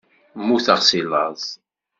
Mmuteɣ si laẓ.